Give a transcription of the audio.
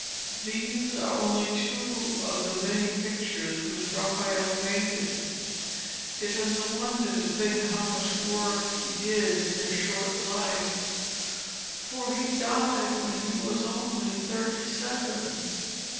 These are only two of the many pictures which Raphael painted. It is wonderful to think how much work he did in his short life, for he died when he was only thirty seven.